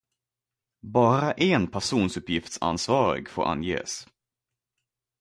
Bara en personuppgiftsansvarig får anges.